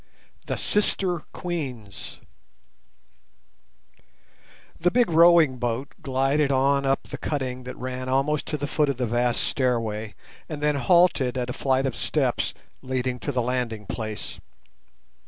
THE SISTER QUEENS The big rowing boat glided on up the cutting that ran almost to the foot of the vast stairway, and then halted at a flight of steps leading to the landing place.